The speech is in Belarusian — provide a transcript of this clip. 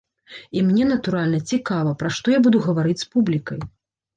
І мне, натуральна, цікава, пра што я буду гаварыць з публікай.